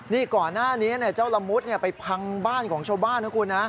นี่ก่อนหน้านี้เจ้าละมุดไปพังบ้านของชาวบ้านนะคุณนะ